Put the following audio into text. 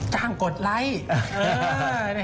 จ้างกดไลค์